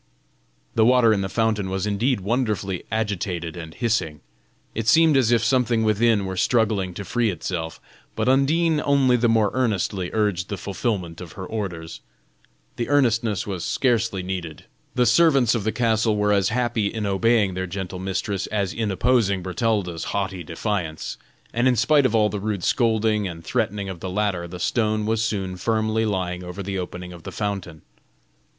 The water in the fountain was indeed wonderfully agitated and hissing; it seemed as if something within were struggling to free itself, but Undine only the more earnestly urged the fulfilment of her orders. The earnestness was scarcely needed. The servants of the castle were as happy in obeying their gentle mistress as in opposing Bertalda's haughty defiance; and in spite of all the rude scolding and threatening of the latter the stone was soon firmly lying over the opening of the fountain.